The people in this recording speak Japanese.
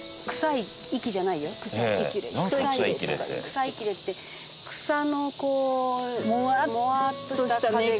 草いきれって草のこうモワッとした風が。